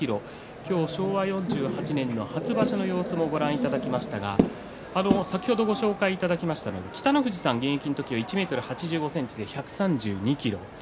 今日は昭和４８年の初場所の様子をご覧いただきましたが先ほどご紹介いただきました北の富士さん現役の時は１ｍ８５ｃｍで１３２ｋｇ。